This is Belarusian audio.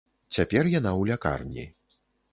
Цяпер яна ў лякарні.